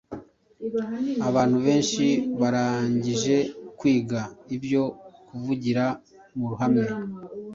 Abantu benshi barangije kwiga ibyo kuvugira mu ruhame